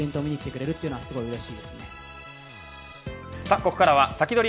ここからはサキドリ！